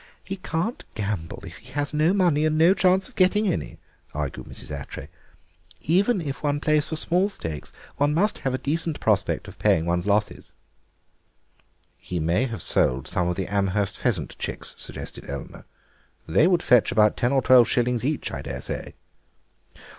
"He can't gamble if he has no money and no chance of getting any," argued Mrs. Attray; "even if one plays for small stakes one must have a decent prospect of paying one's losses." "He may have sold some of the Amherst pheasant chicks," suggested Eleanor; "they would fetch about ten or twelve shillings each, I daresay."